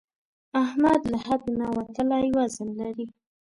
احمد له حد نه وتلی وزن لري.